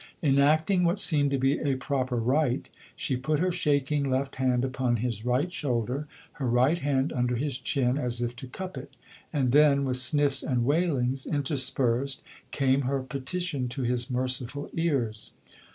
Enacting what seemed to be a proper rite, she put her shaking left hand upon his right shoulder, her right hand under his chin, as if to cup it; and then, with sniffs and wailings interspersed, came her petition to his merciful ears.